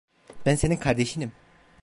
Ben senin kardeşinim.